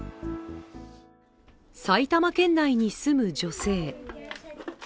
埼玉県内に住む女性。